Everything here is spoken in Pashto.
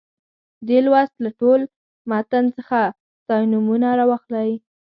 دې لوست له ټول متن څخه ستاینومونه راواخلئ.